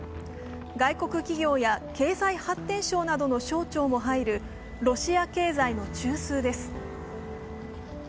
外国企業や経済発展省などの省庁も入るロシア経済の中枢です。